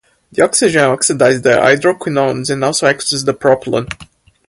The oxygen oxidizes the hydroquinones and also acts as the propellant.